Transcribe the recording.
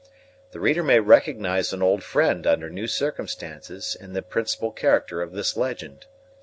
The reader may recognize an old friend under new circumstances in the principal character of this legend.